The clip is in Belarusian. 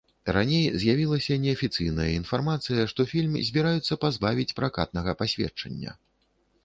Раней з'явілася неафіцыйная інфармацыя, што фільм збіраюцца пазбавіць пракатнага пасведчання.